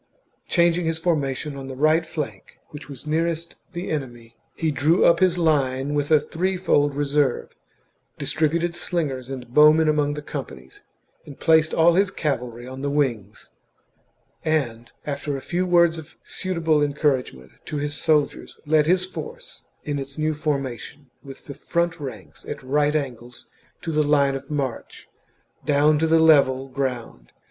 Changing his forma tion on the right flank, which was nearest the enemy, he drew up his line with a threefold reserve, distri 176 THE JUGURTHINE WAR. CHAP, biited slingers and bowmen among the companies, placed all his cavalry on the wings, and, after a few words of suitable encouragement to his soldiers, led his force in its new formation, with the front ranks at right angles to the line of march, down to the level CHAP, ground.